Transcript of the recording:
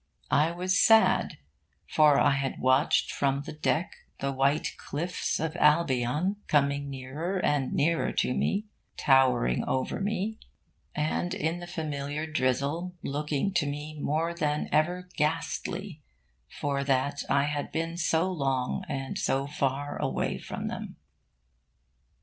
I was sad, for I had watched from the deck the white cliffs of Albion coming nearer and nearer to me, towering over me, and in the familiar drizzle looking to me more than ever ghastly for that I had been so long and so far away from them.